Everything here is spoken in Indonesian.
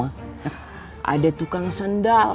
ada tukang sendal